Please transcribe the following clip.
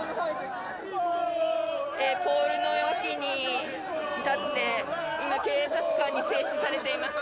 ポールの脇に立って今、警察官に制止されています。